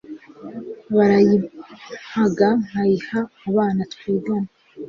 barayimpaga nkayiha abana twigana